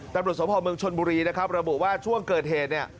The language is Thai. แต่ปรุศสมพาลเมืองชนบุรีประบู๋ว่าช่วงเกิดเหตุ